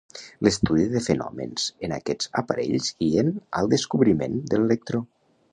L’estudi de fenòmens en aquests aparells guien al descobriment de l’electró.